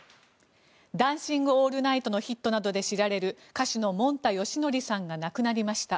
「ダンシング・オールナイト」のヒットなどで知られる歌手のもんたよしのりさんが亡くなりました。